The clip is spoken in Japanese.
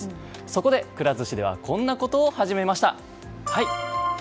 そこで、くら寿司ではこんなことを始めました。